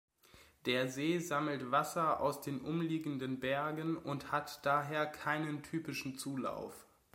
Der See sammelt Wasser aus den umliegenden Bergen, und hat daher keinen typischen Zulauf.